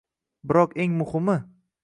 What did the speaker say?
Biroq eng muhimi